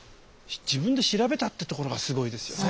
自分で調べたってところがすごいですよね。